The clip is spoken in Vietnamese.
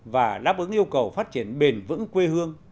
và đáp ứng yêu cầu phát triển bền vững quê hương